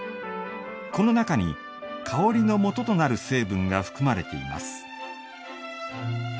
この中に香りのもととなる成分が含まれています。